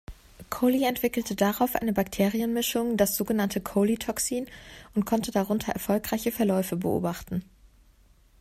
Coley entwickelte darauf eine Bakterien-Mischung, das sogenannte Coley-Toxin und konnte darunter erfolgreiche Verläufe beobachten.